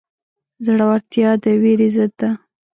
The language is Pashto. زړورتیا د وېرې ضد ده.